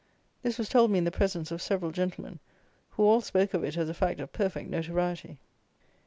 This was told me in the presence of several gentlemen, who all spoke of it as a fact of perfect notoriety.